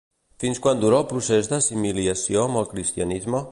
Fins quan dura el procés d'assimilació amb el cristianisme?